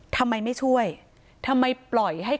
ต่างฝั่งในบอสคนขีดบิ๊กไบท์